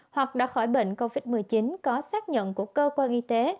hoặc đã khỏi bệnh covid một mươi chín có xác nhận của cơ quan y tế